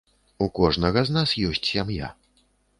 У кожнага з нас ёсць сям'я.